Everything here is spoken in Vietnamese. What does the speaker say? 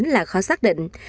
và khó xác định